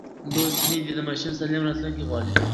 لوستې میندې د ماشوم سالم راتلونکی غواړي.